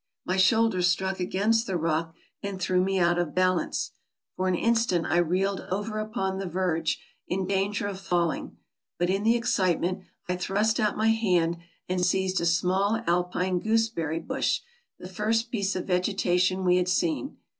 My shoulder struck against the rock and threw me out of balance ; for an instant I reeled over upon the verge, in danger of falling, but in the excitement I thrust out my hand and seized a small alpine gooseberry bush, the first piece of vegetation we had seen.